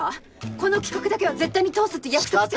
この企画だけは絶対に通すって約束してた。